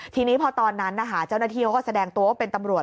ทีนี้พอตอนนั้นนะคะเจ้าหน้าที่เขาก็แสดงตัวว่าเป็นตำรวจ